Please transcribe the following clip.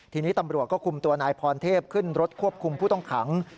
ทีนี้ตำรวจก็คุมตัวนายพรเทพขึ้นรถควบคุมผู้ต้องขัง